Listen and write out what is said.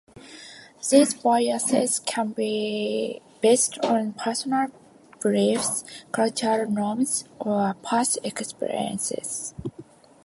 These biases can be based on personal beliefs, cultural norms, or past experiences.